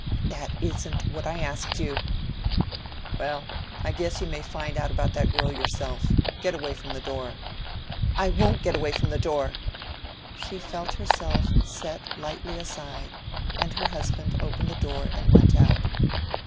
"That isn't what I asked you." "Well, I guess you may find out about that girl yourself. Get away from the door." "I won't get away from the door." She felt herself set lightly aside, and her husband opened the door and went out.